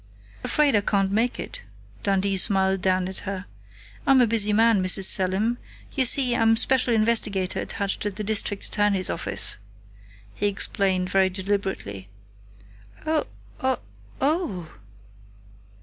"Afraid I can't make it," Dundee smiled down at her. "I'm a busy man, Mrs. Selim.... You see, I'm Special Investigator attached to the District Attorney's office," he explained very deliberately. "O o oh!"